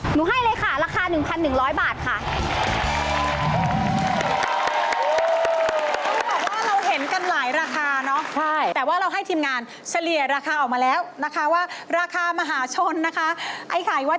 ให้เลยค่ะราคา๑๑๐๐บาทค่ะ